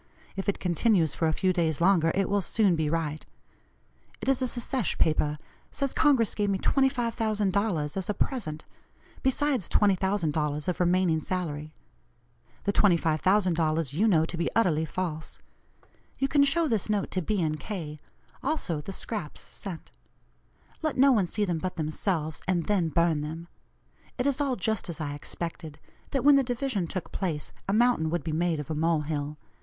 If it continues for a few days longer, it will soon be right. It is a secesh paper says Congress gave me $25,000 as a present, besides $20,000 of remaining salary. The $25,000 you know to be utterly false. You can show this note to B. & K., also the scraps sent. Let no one see them but themselves, and then burn them. It is all just as I expected that when the division took place, a 'mountain would be made of a mole hill.'